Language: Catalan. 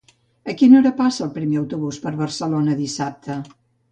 A quina hora passa el primer autobús per Barcelona dissabte?